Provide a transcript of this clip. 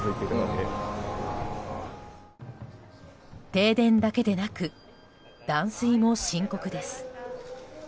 停電だけでなく断水も深刻です。